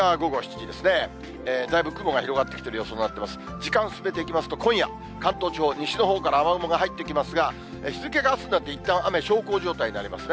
時間進めていきますと、今夜、関東地方、西のほうから雨雲が入ってきますが、日付があすになって、いったん雨、小康状態になりますね。